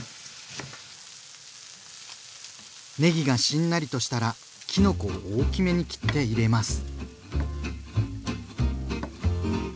ねぎがしんなりとしたらきのこを大きめに切って入れます。